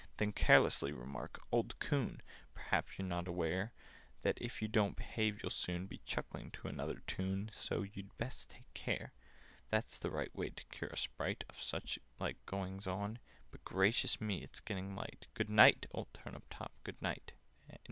"Then carelessly remark 'Old coon! Perhaps you're not aware That, if you don't behave, you'll soon Be chuckling to another tune— And so you'd best take care!' "That's the right way to cure a Sprite Of such like goings on— But gracious me! It's getting light! Good night, old Turnip top, good night!"